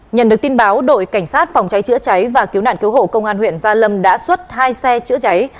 nhận được tin báo đội cảnh sát phòng cháy chữa cháy và cứu nạn cứu hộ công an huyện gia lâm đã xuất hai xe chữa cháy